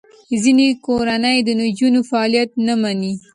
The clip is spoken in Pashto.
ځینې کورنۍ د نجونو فعالیت نه مني.